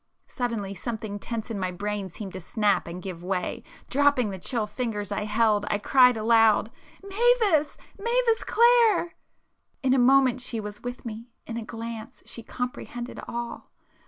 Suddenly something tense in my brain seemed to snap and give way,—dropping the chill fingers I held, I cried aloud— "Mavis! Mavis Clare!" In a moment she was with me,—in a glance she comprehended all.